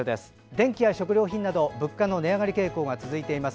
電気や食料品など物価の値上がり傾向が続いています。